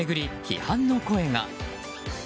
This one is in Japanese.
批判の声が。